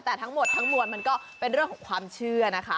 แต่ทั้งหมดทั้งมวลมันก็เป็นเรื่องของความเชื่อนะคะ